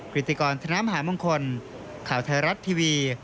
ริติกรธนมหามงคลข่าวไทยรัฐทีวี